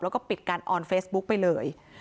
แล้วก็ปิดการออนเฟซบุ๊กไปเลย